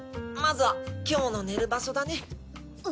まずは今日の寝る場所だね。